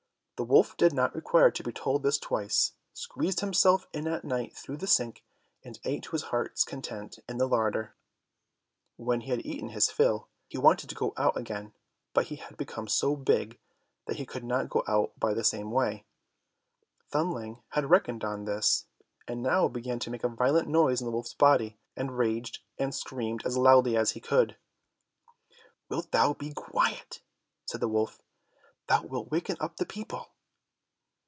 The wolf did not require to be told this twice, squeezed himself in at night through the sink, and ate to his heart's content in the larder. When he had eaten his fill, he wanted to go out again, but he had become so big that he could not go out by the same way. Thumbling had reckoned on this, and now began to make a violent noise in the wolf's body, and raged and screamed as loudly as he could. "Wilt thou be quiet," said the wolf, "thou wilt waken up the people!"